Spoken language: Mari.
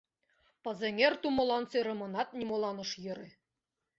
Пызеҥер тумылан сӧрымынат нимолан ыш йӧрӧ...